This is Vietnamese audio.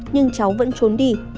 nhưng cháu vẫn trốn đi